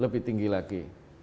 lebih tinggi lagi